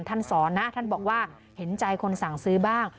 สอนนะท่านบอกว่าเห็นใจคนสั่งซื้อบ้าง